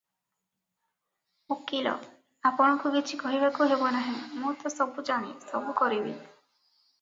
ଓକିଲ - "ଆପଣଙ୍କୁ କିଛି କହିବାକୁ ହେବ ନାହିଁ, ମୁଁ ତ ସବୁ ଜାଣେ, ସବୁ କରିବି ।